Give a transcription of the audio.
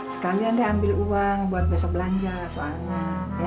sekalian deh ambil uang buat besok belanja soalnya ya